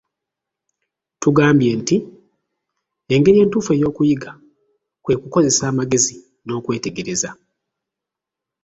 Tugambye nti; Engeri entuufu ey'okuyiga, kwe kukozesa amagezi n'okwetegereza.